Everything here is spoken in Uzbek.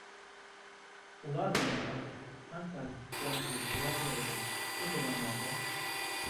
Ular bilan tanishish qanchalik quvonchli voqea edi o`sha damlarda